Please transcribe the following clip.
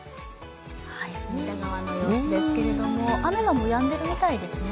隅田川の様子ですけれども、雨はやんでいるみたいですね。